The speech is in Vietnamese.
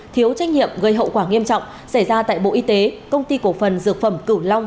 thiếu trách nhiệm gây hậu quả nghiêm trọng xảy ra tại bộ y tế công ty cổ phần dược phẩm cửu long